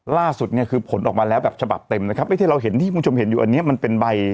ล่าสุดเนี่ยคือผลออกมาแล้วแบบฉบับเต็มนะครับไอ้ที่เราเห็นที่คุณผู้ชมเห็นอยู่อันนี้มันเป็นใบ